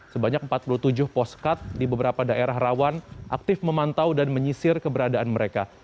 sebanyak empat puluh tujuh poskat di beberapa daerah rawan aktif memantau dan menyisir keberadaan mereka